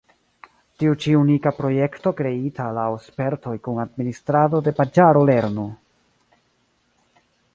Tiu ĉi unika projekto kreita laŭ spertoj kun administrado de paĝaro lernu!